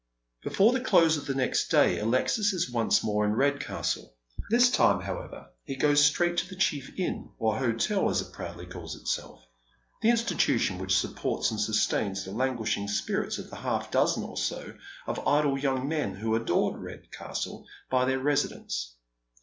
Befohe the close of the next day Alexis is once more in Red castle. This time, however, he goes straight to the chief inn, or hotel, as it proudly calls itself, — the institution which supports and sustains the languishing spirits of the half dozen or so of idle young men who adorn Redcastle by their residence.